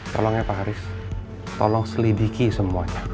tolong ya pak haris tolong selidiki semuanya